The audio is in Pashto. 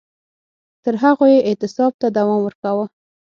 تر هغو یې اعتصاب ته دوام ورکاوه